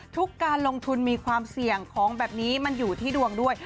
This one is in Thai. การลงทุนมีความเสี่ยงของแบบนี้มันอยู่ที่ดวงด้วย